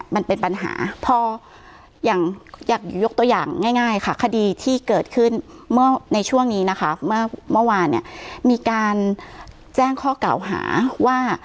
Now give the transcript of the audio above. มันเป็นปัญหาพออย่างอยากยกตัวอย่างง่ายค่ะคดีที่เกิดขึ้นเมื่อในช่วงนี้นะคะเมื่อวานเนี่ยมีการแจ้งข้อเก่าหาว่า